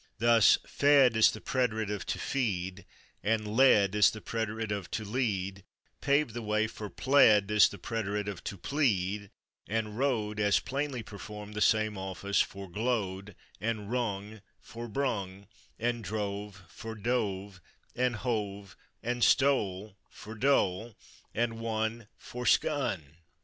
Thus /fed/ as the preterite of /to feed/ and /led/ as the preterite of /to lead/ paved the way for /pled/ as the preterite of /to plead/, and /rode/ as plainly performed the same office for /glode/, and /rung/ for /brung/, and /drove/ for /dove/ and /hove/, and /stole/ for /dole/, and /won/ for /skun